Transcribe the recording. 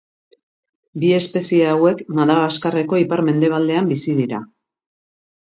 Bi espezie hauek Madagaskarreko ipar-mendebaldean bizi dira.